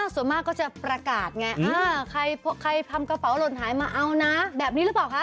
ส่วนมากก็จะประกาศไงใครทำกระเป๋าหล่นหายมาเอานะแบบนี้หรือเปล่าคะ